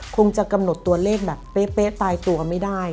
คงจะกำหนดตัวเลขแบบเป๊ะตายตัวไม่ได้